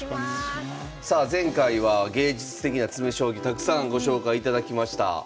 さあ前回は芸術的な詰将棋たくさんご紹介いただきました。